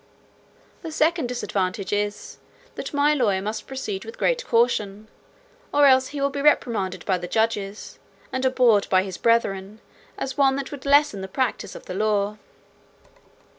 The second disadvantage is, that my lawyer must proceed with great caution, or else he will be reprimanded by the judges, and abhorred by his brethren, as one that would lessen the practice of the law.